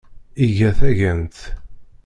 Iga tagant.